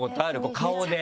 顔で。